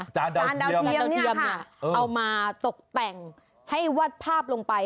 จานดาวเทียมเนี่ยเอามาตกแต่งให้วาดภาพลงไป